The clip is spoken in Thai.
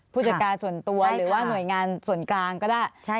ผู้จัดการส่วนตัวหรือว่าหน่วยงานส่วนกลางก็ได้